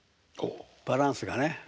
バランスがね。